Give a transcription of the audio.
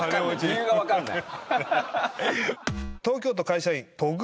理由が分かんない。